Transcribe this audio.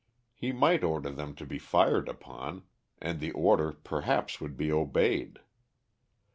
He might order them to be fired upon, and the order perhaps would be obeyed.